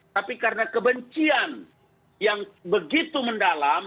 tapi karena kebencian yang begitu mendalam